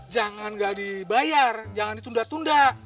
jangan nggak dibayar jangan ditunda tunda